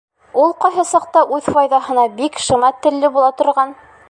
Ул ҡайһы саҡта үҙ файҙаһына бик шыма телле була торған.